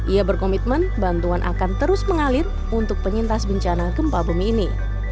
ia berkomitmen bantuan akan terus mengalir untuk penyintas bencana gempa bumi ini